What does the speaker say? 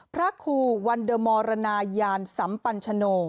พระครูวันเดอร์มรณายานสัมปัญชโน